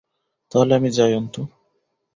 তাহলে আমি যাই অন্তু।